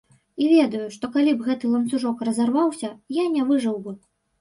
І ведаю, што, калі б гэты ланцужок разарваўся, я не выжыў бы.